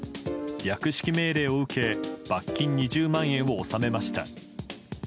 略式命令を受け罰金２０万円を納めました。